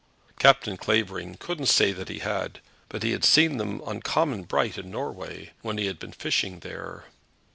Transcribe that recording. Captain Clavering couldn't say that he had, but he had seen them uncommon bright in Norway, when he had been fishing there.